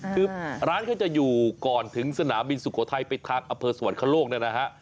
คือร้านเขาจะอยู่ก่อนถึงสนามบินสุโขทัยไปทางอสวรรคโลกนะ